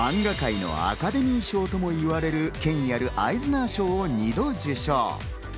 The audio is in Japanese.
マンガ界のアカデミー賞ともいわれる、権威あるアイズナー賞に２度受賞。